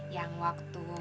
yang waktu malam itu